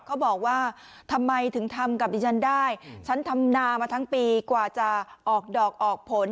เขาบอกว่าทำไมถึงทำกับดิฉันได้ฉันทำนามาทั้งปีกว่าจะออกดอกออกผล